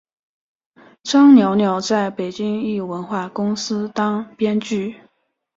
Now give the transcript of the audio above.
张寥寥在北京一文化公司当编剧。